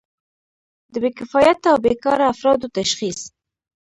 د بې کفایته او بیکاره افرادو تشخیص.